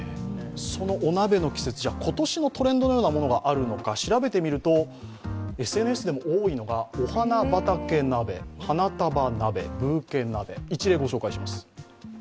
そのお鍋の季節、今年のトレンドのようなものがあるのか調べてみると、ＳＮＳでも多いのがお花畑鍋、花束鍋、ブーケ鍋。